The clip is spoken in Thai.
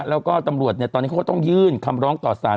แล้วก็ตำรวจตอนนี้เขาก็ต้องยื่นคำร้องต่อสาร